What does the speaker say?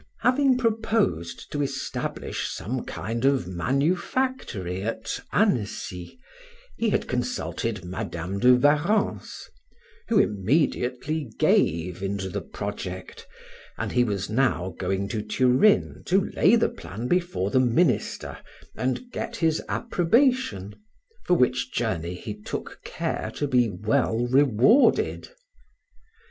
Having proposed to establish some kind of manufactory at Annecy, he had consulted Madam de Warrens, who immediately gave into the project, and he was now going to Turin to lay the plan before the minister and get his approbation, for which journey he took care to be well rewarded.